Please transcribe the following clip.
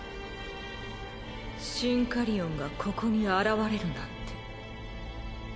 シンカリオンがここに現れるなんて。